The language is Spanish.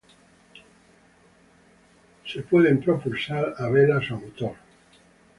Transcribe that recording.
Pueden ser propulsados a vela o a motor.